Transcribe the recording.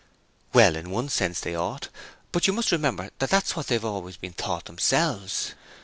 'Well, in one sense they ought, but you must remember that that's what they've always been taught themselves.